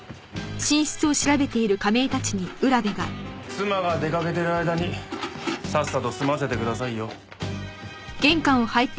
妻が出かけている間にさっさと済ませてくださいよ。